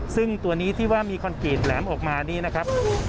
ซึ่งตัวนี้ที่ว่ามีคอนกรีตแหลมออกมานี่นะครับ